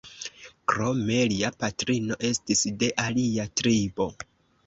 Krome lia patrino estis de alia tribo.